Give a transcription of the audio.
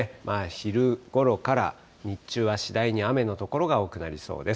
昼ごろから日中は次第に雨の所が多くなりそうです。